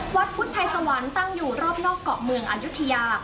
วัดพุทธไทยสวรรค์ตั้งอยู่รอบนอกเกาะเมืองอายุทยา